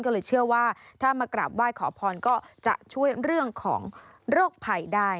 ก็เลยเชื่อว่าถ้ามากราบไหว้ขอพรก็จะช่วยเรื่องของโรคภัยได้